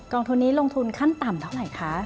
ทุนนี้ลงทุนขั้นต่ำเท่าไหร่คะ